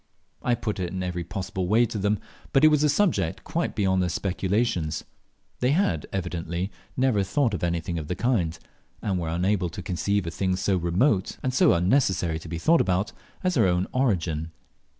I put it in every possible way to them, but it was a subject quite beyond their speculations; they had evidently never thought of anything of the kind, and were unable to conceive a thing so remote and so unnecessary to be thought about, as their own origin.